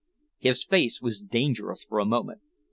His face was dangerous for a moment.